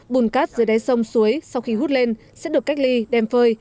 bùn cát dưới đáy sông suối sau khi hút lên sẽ được cách ly đem phơi